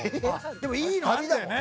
でもいいのあったよね。